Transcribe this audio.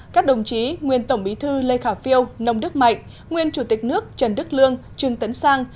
các đồng chí nguyên tổng bí thư lê khả phiêu nông đức mạnh nguyên chủ tịch nước trần đức lương trương tấn sang